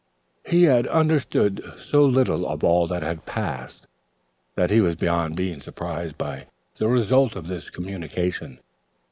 He had understood so little of all that had passed that he was beyond being surprised by the result of this communication.